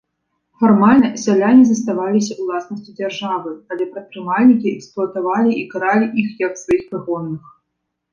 Фармальна сяляне заставаліся ўласнасцю дзяржавы, але прадпрымальнікі эксплуатавалі і каралі іх як сваіх прыгонных.